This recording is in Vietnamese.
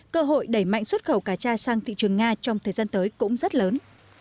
cơ hội đẩy mạnh xuất khẩu cá tra sang thị trường nga trong thời gian tới cũng rất lớn